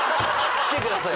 来てくださいよ。